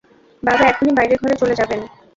বাবা এখুনি বাইরের ঘরে চলে যাবেন।